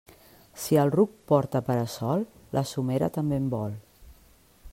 Si el ruc porta para-sol, la somera també en vol.